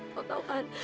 lo tau kan